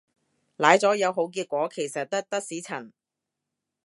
奶咗有好結果其實得的士陳